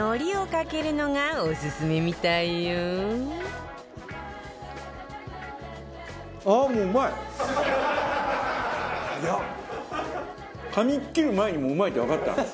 かみ切る前にもううまいってわかった。